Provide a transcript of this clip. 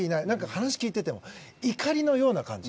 話し聞いてても怒りのような感じ。